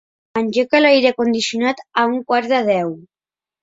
Engega l'aire condicionat a un quart de deu.